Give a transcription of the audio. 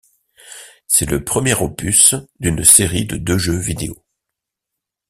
C'est le premier opus d'une série de deux jeux vidéo.